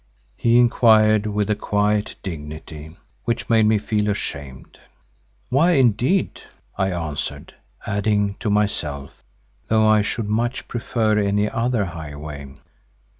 he inquired with a quiet dignity, which made me feel ashamed. "Why indeed?" I answered, adding to myself, "though I should much prefer any other highway."